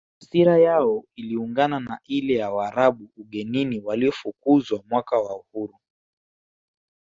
Hasira yao iliungana na ile ya Waarabu ugenini waliofukuzwa mwaka wa uhuru